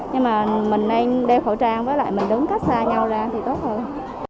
nhưng mà mình nên đeo khẩu trang với lại mình đứng cách xa nhau ra thì tốt hơn